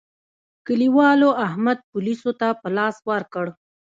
کلیوالو احمد پوليسو ته په لاس ورکړ.